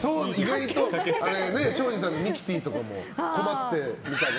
庄司さんのミキティ！とかも困ってみたいな。